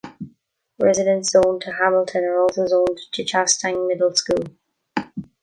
Residents zoned to Hamilton are also zoned to Chastang Middle School.